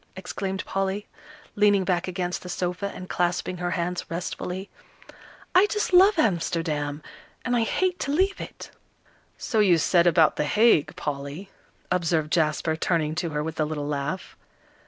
exclaimed Polly, leaning back against the sofa, and clasping her hands restfully. "I just love Amsterdam! And I hate to leave it!" "So you said about The Hague, Polly," observed Jasper, turning to her with a little laugh.